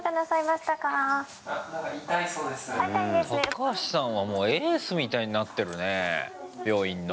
タカハシさんはもうエースみたいになってるね病院の。